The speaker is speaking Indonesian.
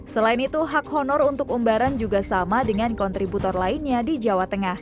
selain itu hak honor untuk umbaran juga sama dengan kontributor lainnya di jawa tengah